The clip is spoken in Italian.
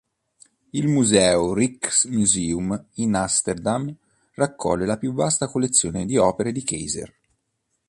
Il museo "Rijksmuseum" in Amsterdam raccoglie la più vasta collezione di opere di Keyser.